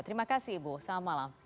terima kasih ibu selamat malam